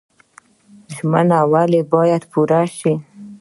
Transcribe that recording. ژمنه ولې باید پوره شي؟